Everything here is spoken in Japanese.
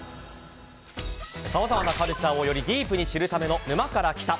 さまざまなカルチャーをよりディープに知るための「沼から来た。」。